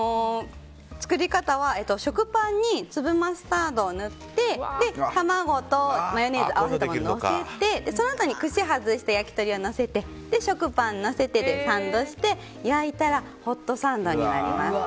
作り方は食パンに粒マスタードを塗って卵とマヨネーズを合わせたものをのせてそのあとに串を外した焼き鳥をのせて食パンのせてでサンドして焼いたらホットサンドになります。